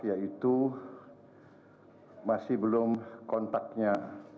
yaitu masih belum kontaknya